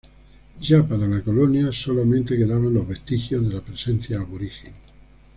Ya para la colonia, solamente quedaban los vestigios de la presencia aborigen.